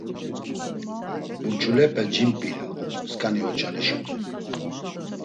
Burç̌ulepe cimp̌ilu sǩani oçalişute!